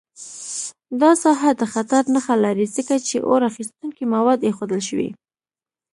دا ساحه د خطر نښه لري، ځکه چې اور اخیستونکي مواد ایښودل شوي.